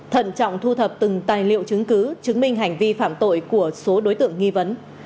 thận trọng thu thập từng tài liệu chứng cứ chứng minh hành vi phạm tội của số đối tượng nghi vấn